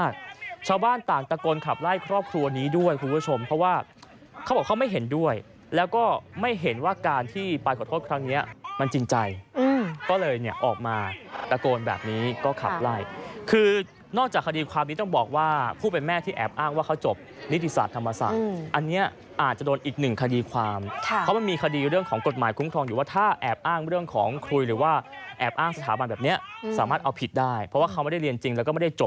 ก็ขับไล่คือนอกจากคดีความนี้ต้องบอกว่าผู้เป็นแม่ที่แอบอ้างว่าเขาจบนิติศาสตร์ธรรมศาสตร์อันเนี้ยอาจจะโดนอีกหนึ่งคดีความเขามันมีคดีอยู่เรื่องของกฎหมายคุ้มครองอยู่ว่าถ้าแอบอ้างเรื่องของคุยหรือว่าแอบอ้างสถาบันแบบเนี้ยสามารถเอาผิดได้เพราะว่าเขาไม่ได้เรียนจริงแล้วก็ไม่